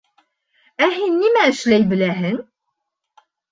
— Ә һин нимә эшләй беләһең?